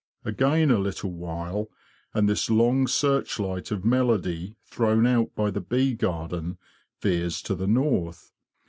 Again a little while, and this long searchlight of melody thrown out by the bee garden veers to the north.